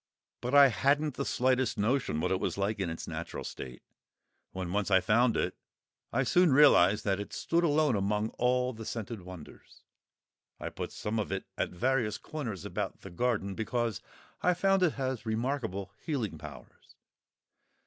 But I hadn't the slightest notion what it was like in its natural state. When once I found it, I soon realised that it stood alone among all the scented wonders. I put some of it at various corners about the garden, because I found it has remarkable healing powers.